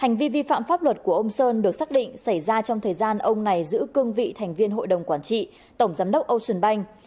hành vi vi phạm pháp luật của ông sơn được xác định xảy ra trong thời gian ông này giữ cương vị thành viên hội đồng quản trị tổng giám đốc ocean bank